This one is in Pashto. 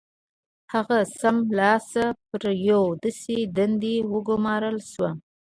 هغه سم له لاسه پر یوې داسې دندې وګومارل شو